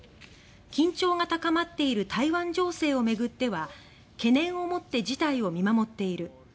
緊張が高まっている台湾情勢をめぐっては懸念をもって事態を見守っている。